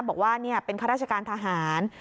บอกว่าเนี่ยเป็นคราชการทหาร